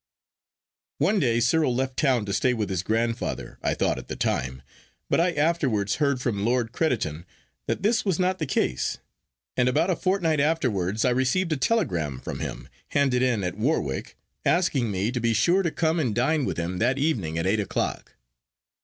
'One day Cyril left town to stay with his grandfather, I thought at the time, but I afterwards heard from Lord Crediton that this was not the case; and about a fortnight afterwards I received a telegram from him, handed in at Warwick, asking me to be sure to come and dine with him that evening at eight o'clock.